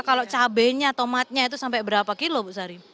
kalau cabainya tomatnya itu sampai berapa kilo bu sari